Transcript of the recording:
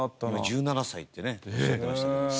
１７歳ってねおっしゃってましたけど。